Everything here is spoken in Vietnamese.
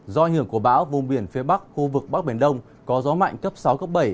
do ảnh hưởng của bão vùng biển phía bắc khu vực bắc biển đông có gió mạnh cấp sáu cấp bảy